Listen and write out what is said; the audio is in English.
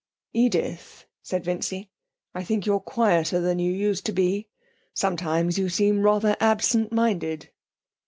'Edith,' said Vincy; 'I think you're quieter than you used to be. Sometimes you seem rather absent minded.'